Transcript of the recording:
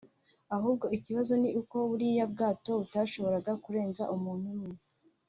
ahubwo ikibazo ni uko buriya bwato butashoboraga kurenza umuntu umwe